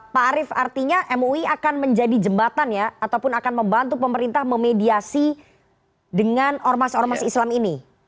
pak arief artinya mui akan menjadi jembatan ya ataupun akan membantu pemerintah memediasi dengan ormas ormas islam ini